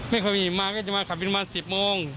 ไม่เคยมีมาก็จะมาขับบิลกลงอ่านสิบโมง